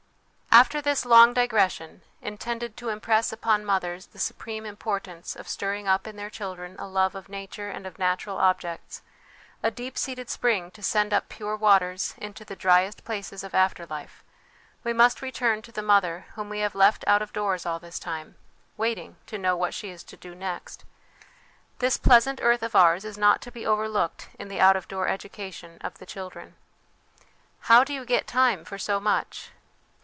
After this long digression, intended to impress upon mothers the supreme importance of stirring up in their chil dren a love of Nature and of natural objects a deep seated spring to send up pure waters into the driest places of after life we must return to the mother whom we have left out of doors all this time, waiting to know what she is to do next. This pleasant earth of ours is not to be overlooked in the out of door education of the children. ' How do you get time for so much